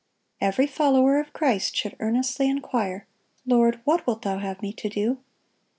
Every follower of Christ should earnestly inquire, "Lord, what wilt Thou have me to do?"